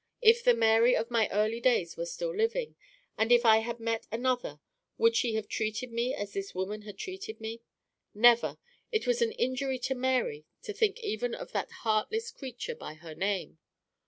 If the "Mary" of my early days were still living, and if I had met her, would she have treated me as this woman had treated me? Never! It was an injury to "Mary" to think even of that heartless creature by her name.